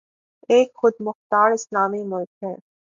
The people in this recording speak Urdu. ایک خود مختار اسلامی ملک ہے